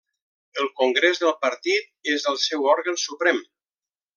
El Congrés del Partit és el seu òrgan suprem.